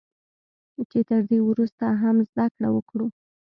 چې تر دې ورسته هم زده کړه وکړو